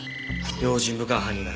用心深い犯人だな。